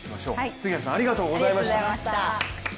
杉原さん、ありがとうございました。